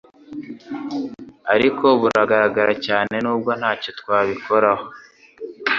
ariko buragaragara".cyane nubwu ntacyo twabikoraho